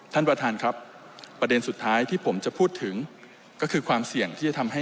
ท่านประธานครับประเด็นสุดท้ายที่ผมจะพูดถึงก็คือความเสี่ยงที่จะทำให้